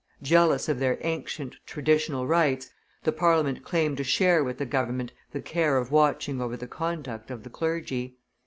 Jealous of their ancient, traditional rights, the Parliament claimed to share with the government the care of watching over the conduct of the clergy.